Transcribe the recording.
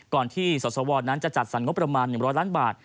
ก่อนที่สวทธิ์สวรรค์นั้นจะจัดสรรค์ประมาณ๑๐๐ล้านบาท